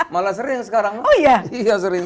malah sering sekarang oh iya iya sering